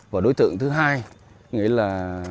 và đối tượng thứ hai là